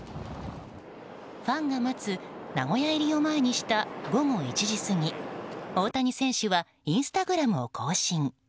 ファンが待つ名古屋入りを前にした午後１時過ぎ大谷選手はインスタグラムを更新。